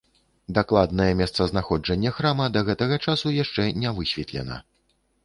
Дакладнае месцазнаходжанне храма да гэтага часу яшчэ не высветлена.